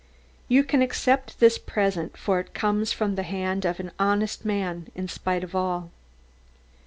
You can accept this present for it comes from the hand of an honest man in spite of all.